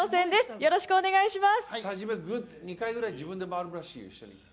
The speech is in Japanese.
よろしくお願いします。